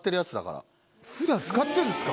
普段使ってるんですか？